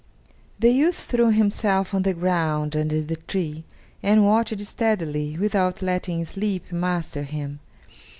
The youth threw himself on the ground under the tree and watched steadily, without letting sleep master him.